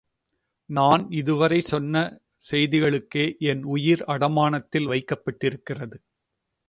இதுவரை நான் சொன்ன விஷயங்களுக்கே என் உயிர் அடமானத்தில் வைக்கப்பட்டிருக்கிறது.